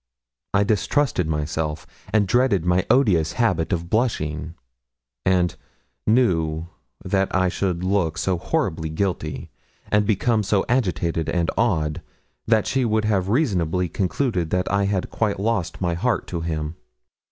I distrusted myself, and dreaded my odious habit of blushing, and knew that I should look so horribly guilty, and become so agitated and odd, that she would have reasonably concluded that I had quite lost my heart to him.